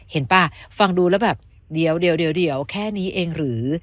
ป่ะฟังดูแล้วแบบเดี๋ยวแค่นี้เองหรือ